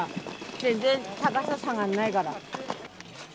全然、高さ下がらないから。